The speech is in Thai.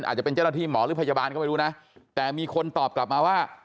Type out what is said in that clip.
อาจจะเป็นเจ้าหน้าที่หมอหรือพยาบาลก็ไม่รู้นะแต่มีคนตอบกลับมาว่า